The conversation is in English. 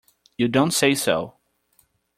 You don't say so!